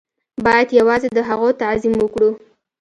بايد يوازې د هغو تعظيم وکړو.